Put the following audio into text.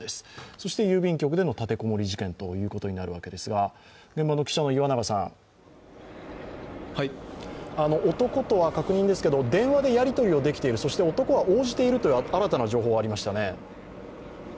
そして郵便局での立て籠もり事件となるわけですが、現場の記者の岩永さん、確認ですけど、男とは電話でやりとりができている、男は応じているという新たな情報がありましたね。